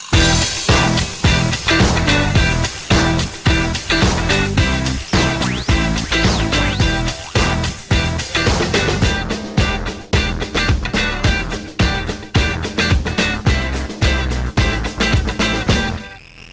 เพื่อค้นหาเรื่องราวของเมนูเส้นอนาชาติพบกับเมนูเส้นอนาชาติ